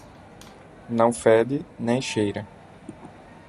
Não fede, nem cheira